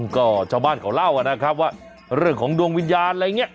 ก็ชาวบ้านเขาเล่านะครับว่าเรื่องของดวงวิญญาณอะไรอย่างนี้